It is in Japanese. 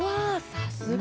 さすが！